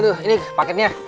aduh ini paket nya